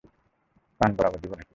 কান বরাবর দিব না-কি!